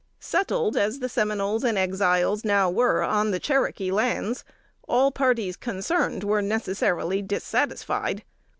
Settled, as the Seminoles and Exiles now were on the Cherokee lands, all parties concerned were necessarily dissatisfied.